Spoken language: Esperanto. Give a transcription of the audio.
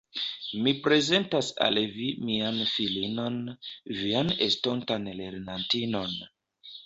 Mi prezentas al vi mian filinon, vian estontan lernantinon.